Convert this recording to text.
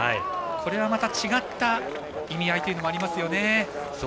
これはまた違った意味合いというのもありますよね。